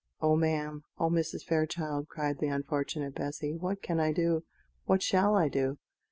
"Oh, ma'am! Oh, Mrs. Fairchild!" cried the unfortunate Bessy, "what can I do? What shall I do?"